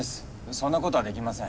そんなことはできません。